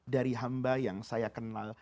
dari hamba yang saya kenal